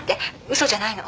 嘘じゃないの。